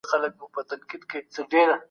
کله ویزې رد کیږي؟